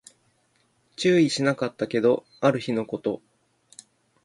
注意しなかったけど、ある日のこと